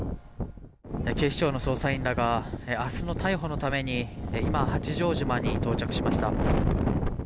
警視庁の捜査員らが明日の逮捕のために今、八丈島に到着しました。